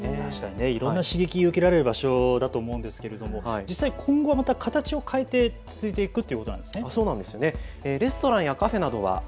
確かにいろんな刺激を受けられる場所だと思うんですけれども実際、今後はまた形を変えて続いていくということなんですね。